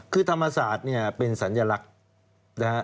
คือธรรมศาสตร์เป็นสัญลักษณ์